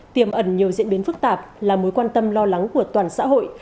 tiềm ẩn nhiều diễn biến phức tạp là mối quan tâm lo lắng của toàn xã hội